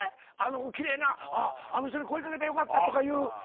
奇麗なあの人に声掛けたでよかったとかいう。